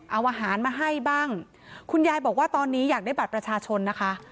เอาอาหารมาให้บ้างคุณยายบอกว่าตอนนี้อยากได้บัตรประชาชนนะคะ